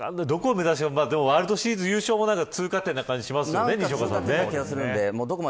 ワールドシリーズ優勝も通過点みたいな感じがします。